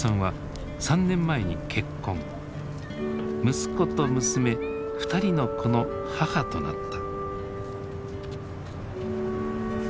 息子と娘２人の子の母となった。